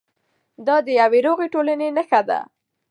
دا د یوې روغې ټولنې نښه ده.